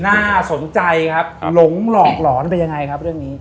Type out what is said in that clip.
น่าสนใจครับหลงหลอกหลอนเป็นยังไงครับเรื่องนี้